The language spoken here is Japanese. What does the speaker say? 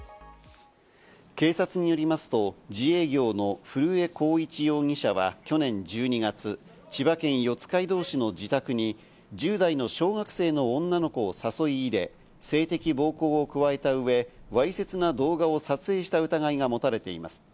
警察によりますと、自営業の古江幸一容疑者は去年１２月、千葉県四街道市の自宅に１０代の小学生の女の子を誘い入れ、性的暴行を加えたうえ、わいせつな動画を撮影した疑いが持たれています。